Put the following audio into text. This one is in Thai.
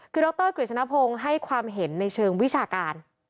คือดรกฤษณพงศ์ให้ความเห็นในเชิงวิชาการ